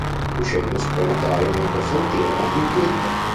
Uscendo si può notare un’acquasantiera in pietra.